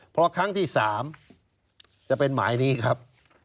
เพราะครั้งที่๓จะเป็นหมายนี้ครับ